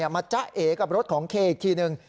จ๊ะเอกับรถของเคอีกทีนึง